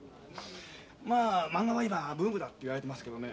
まあまんがは今ブームだっていわれてますけどね